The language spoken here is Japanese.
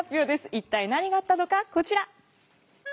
一体何があったのかこちら。